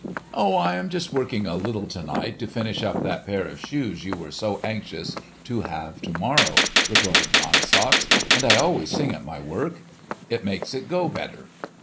"Oh, I'm just working a little to night to finish up that pair of shoes you were so anxious to have to morrow," retorted Hans Sachs; "and I always sing at my work. It makes it go better."